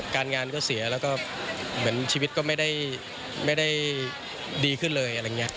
การงานก็เสียแล้วก็เหมือนชีวิตก็ไม่ได้ดีขึ้นเลยอะไรอย่างนี้